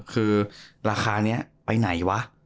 คือราคานี้ไปไหนวะ